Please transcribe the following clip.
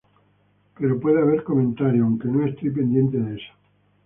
Pero puede haber comentarios, aunque no estoy pendiente de eso.